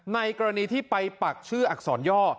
ในกรณีที่ไปปักชื่ออักษรย่อ